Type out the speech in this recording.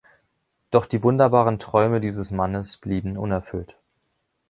Doch die wunderbaren Träume dieses Mannes blieben unerfüllt.